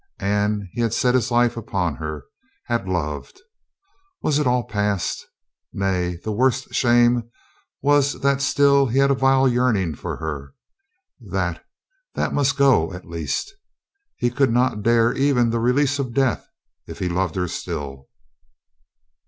And he had set his life upon her. Had loved? Was it all past? Nay, the worst shame was that still he had a vile yearning for her. That — ^that must go at least. He could not COLONEL STOW RESOLVES TO LAUGH 267 dare even the release of death if he loved her still.